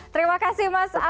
terima kasih mas atmal